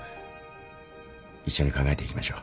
一緒に考えていきましょう。